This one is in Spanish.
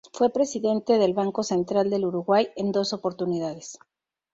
Fue Presidente del Banco Central del Uruguay en dos oportunidades.